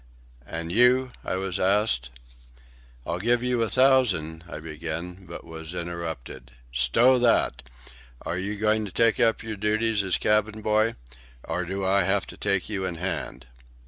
"And you?" I was asked. "I'll give you a thousand—" I began, but was interrupted. "Stow that! Are you going to take up your duties as cabin boy? Or do I have to take you in hand?"